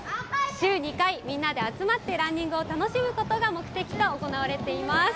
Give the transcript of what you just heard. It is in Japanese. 週２回、みんなで集まってランニングを楽しむことが目的と、行われています。